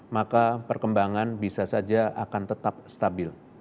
maka perkembangan bisa saja akan tetap stabil